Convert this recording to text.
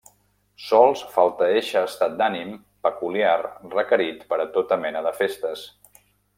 Sols falta eixe estat d’ànim peculiar requerit per a tota mena de festes.